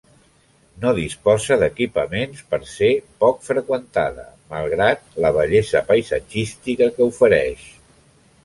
No disposa d'equipaments per ser poc freqüentada, malgrat la bellesa paisatgística que ofereix.